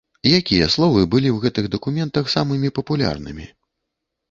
Якія словы былі ў гэтых дакументах самымі папулярнымі?